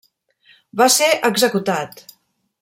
Va ser executat.